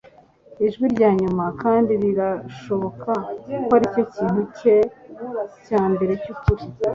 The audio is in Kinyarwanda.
ijwi ryanyuma. kandi birashoboka ko aricyo kintu cye cyambere cyukuri